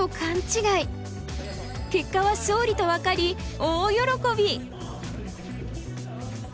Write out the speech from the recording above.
結果は勝利と分かり大喜び！